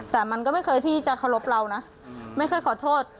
แต่มันก็ไม่เคยที่จะเคารพเรานะไม่เคยขอโทษ